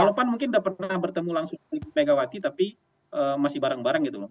kalau pan mungkin udah pernah bertemu langsung ibu mega wati tapi masih bareng bareng gitu loh